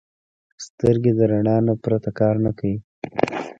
سترګې د رڼا نه پرته کار نه کوي